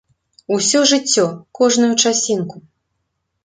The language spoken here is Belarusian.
Усё жыццё, кожную часінку.